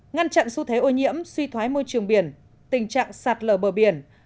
ngăn chặn xu thế ô nhiễm suy thoái môi trường biển tình trạng sạt lở bờ biển